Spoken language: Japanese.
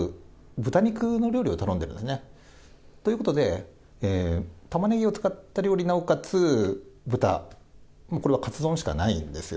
豚肉の料理を頼んでるんですね。ということで、たまねぎを使った料理、なおかつ豚、もうこれはカツ丼しかないんですよ。